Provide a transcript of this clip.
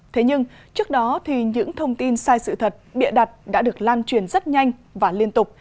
thế nhưng trước đó thì những thông tin sai sự thật bịa đặt đã được lan truyền rất nhanh và liên tục